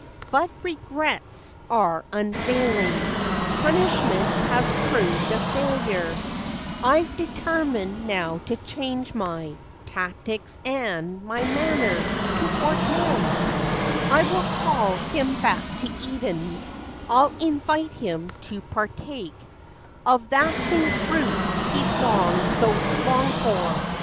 " But regrets are unavailing, Punishment has proved a failure; I 've determined now to change my Tactics, and my manner, toward man; I will call him back to Eden; I'll invite him to partake of That same fruit he 's long'd so long for.